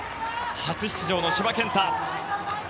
初出場の千葉健太。